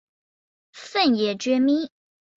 粉叶决明为豆科决明属下的一个种。